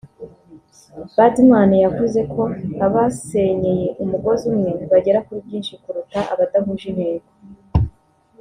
Birdman yavuze ko abasenyeye umugozi umwe bagera kuri byinshi kurusha abadahuje intego